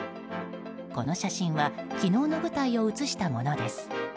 この写真は昨日の舞台を写したものです。